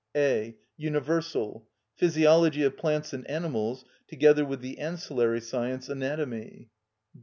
(a.) Universal: Physiology of plants and animals, together with the ancillary science, Anatomy.